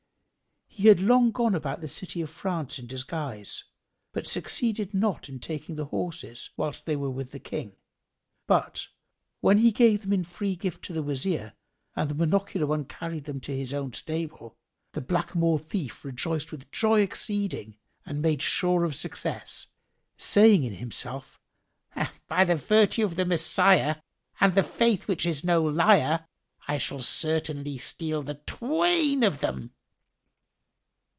He had long gone about the city of France in disguise, but succeeded not in taking the horses, whilst they were with the King; but, when he gave them in free gift to the Wazir and the monocular one carried them to his own stable, the blackamoor thief rejoiced with joy exceeding and made sure of success, saying in himself, "By the virtue of the Messiah and the Faith which is no liar, I will certainly steal the twain of them!"